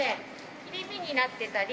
切り身になってたり。